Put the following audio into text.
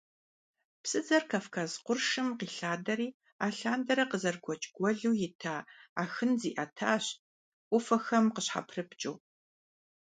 Псыдзэр Кавказ къуршым къилъадэри, алъандэрэ къызэрыгуэкӀ гуэлу ита Ахын зиӀэтащ, Ӏуфэхэм къыщхьэпрыпкӀыу.